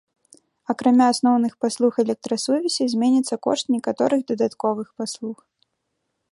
Акрамя асноўных паслуг электрасувязі, зменіцца кошт некаторых дадатковых паслуг.